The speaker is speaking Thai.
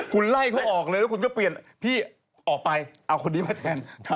คุณไล่เขาออกเลยแล้วคุณก็เปลี่ยนพี่ออกไปเอาคนนี้มาแทน